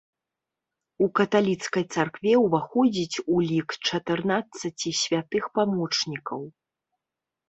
У каталіцкай царкве ўваходзіць у лік чатырнаццаці святых памочнікаў.